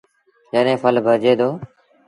جڏيݩ ڦل ڀرجي دو۔